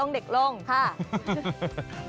เด็กลงค่ะ